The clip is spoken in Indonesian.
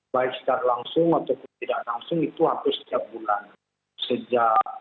bertemu itu baik secara langsung atau tidak langsung